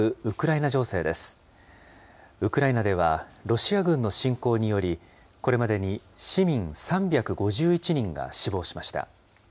ウクライナでは、ロシア軍の侵攻により、これまでに市民３５１人が死亡しました。